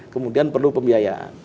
kemudian perlu pembiayaan